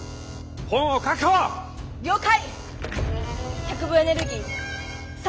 了解！